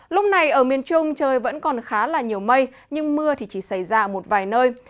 lúc này ở miền trung trời vẫn còn khá là nhiều mây nhưng mưa thì chỉ xảy ra một vài nơi